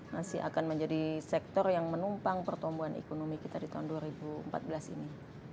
masih akan menjadi sektor yang menumpang pertumbuhan ekonomi kita di tahun dua ribu empat belas ini